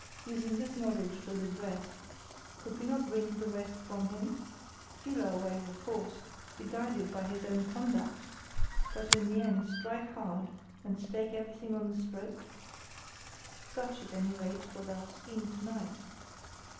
Using this knowledge with address, could we not wring the rest from him? Feel our way, of course, be guided by his own conduct, but in the end strike hard and stake everything on the stroke? Such at any rate was our scheme to night.